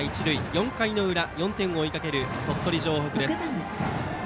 ４回の裏、４点を追いかける鳥取城北です。